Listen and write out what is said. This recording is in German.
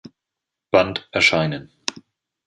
Band erscheinen.